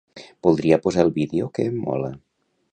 Voldria posar el vídeo que em mola.